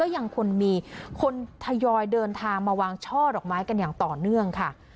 ยังควรมีคนทยอยเดินทางมาวางช่อดอกไม้กันอย่างต่อเนื่องค่ะ